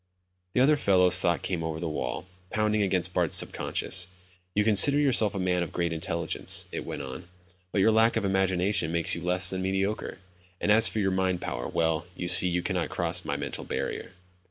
The other fellow's thoughts came over the wall, pounding against Bart's sub conscious. "You consider yourself a man of great intelligence," it went on, "but your lack of imagination makes you less than mediocre. And as for your mind power, well, you see you cannot cross my mental barrier."